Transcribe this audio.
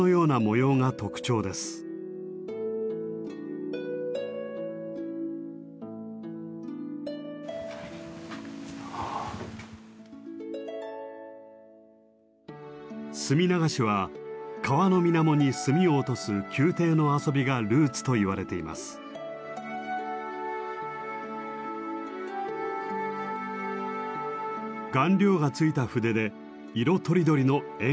顔料がついた筆で色とりどりの円を。